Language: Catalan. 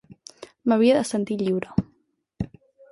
M'havia de sentir lliure.